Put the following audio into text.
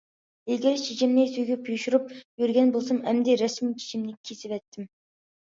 ئىلگىرى چېچىمنى تۈگۈپ، يوشۇرۇپ يۈرگەن بولسام ئەمدى رەسمىي چېچىمنى كېسىۋەتتىم.